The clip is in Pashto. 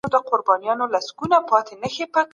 ولسي جرګه به د انرژۍ د توليد پر پراختيا ټينګار کوي.